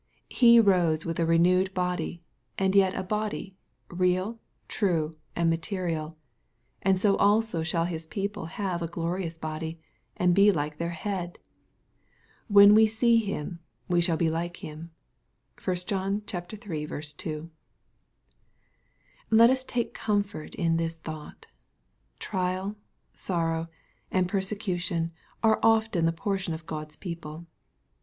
— He rose with a renewed body, and yet a body, real, true, and material, and si6 also shall His people have a glorious body, and be like their Head. —" When we see Him we shall be like Him." (1 John iii. 2.) Let us take comfort in this thought. Trial, sorrow, and persecution are often the portion of God's people.